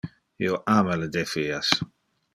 Io ama le defias.